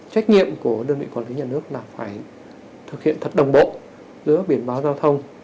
trách nhiệm của đơn vị quản lý nhà nước là phải thực hiện thật đồng bộ giữa biển báo giao thông